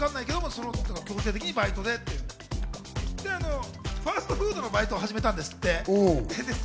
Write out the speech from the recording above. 強制的にバイトで、ファストフードのバイトを始めたんですって。